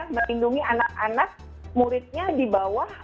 kita harus melindungi anak anak muridnya di bawah